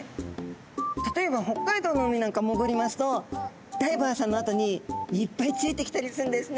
例えば北海道の海なんか潜りますとダイバーさんのあとにいっぱいついてきたりするんですね。